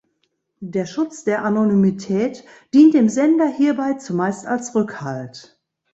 Der Schutz der Anonymität dient dem Sender hierbei zumeist als Rückhalt.